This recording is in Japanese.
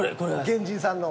原人さんの？